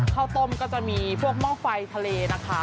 ข้าวต้มก็จะมีพวกหม้อไฟทะเลนะคะ